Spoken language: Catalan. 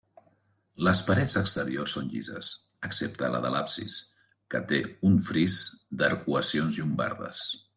Les parets exteriors són llises excepte la de l'absis, que té un fris d'arcuacions llombardes.